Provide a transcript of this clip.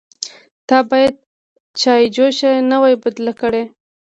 _تا بايد چايجوشه نه وای بدله کړې.